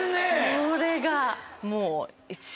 それがもう。